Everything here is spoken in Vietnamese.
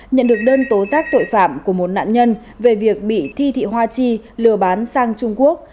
nhận được đơn tố giác tội phạm của một nạn nhân về việc bị thi thị hoa chi lừa bán sang trung quốc